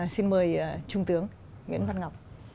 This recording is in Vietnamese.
xin mời trung tướng nguyễn văn ngọc